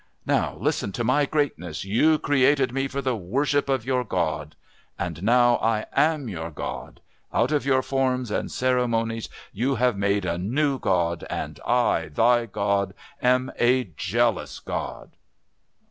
"Now listen to My greatness! You created Me for the Worship of your God! "And now I am your God! Out of your forms and ceremonies you have made a new God! And I, thy God, am a jealous God...."